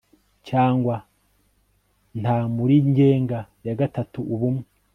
cyangwa nta muri ngenga ya gatatu ubumwe